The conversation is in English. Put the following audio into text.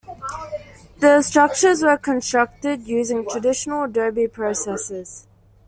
The structures were constructed using traditional adobe processes.